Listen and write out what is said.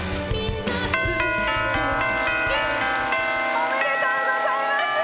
おめでとうございます！